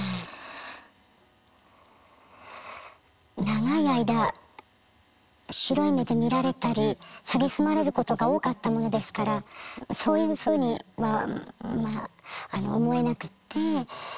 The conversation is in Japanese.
長い間白い目で見られたり蔑まれることが多かったものですからそういうふうには思えなくて。